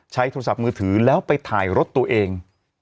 โทรศัพท์มือถือแล้วไปถ่ายรถตัวเอง